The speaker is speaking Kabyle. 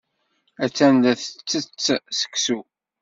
Attan la tettett seksu.